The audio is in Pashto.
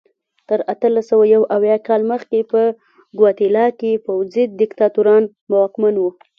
تر اتلس سوه یو اویا کال مخکې په ګواتیلا کې پوځي دیکتاتوران واکمن وو.